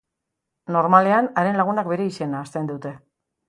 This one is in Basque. Normalean, haren lagunak bere izena ahazten dute.